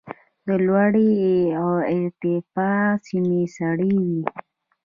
د لوړې ارتفاع سیمې سړې وي.